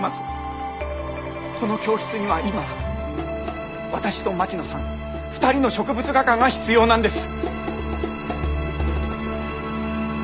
この教室には今私と槙野さん２人の植物画家が必要なんです。